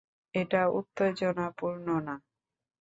এটা উত্তেজনাপূর্ণ না।